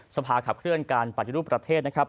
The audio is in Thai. สภาขับเคลื่อนการปฏิรูปประเทศนะครับ